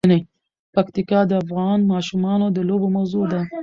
پکتیکا د افغان ماشومانو د لوبو موضوع ده.